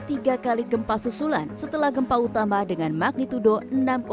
tiga kali gempa susulan setelah gempa utama dengan magnitudo enam satu yang mengguncang wilayah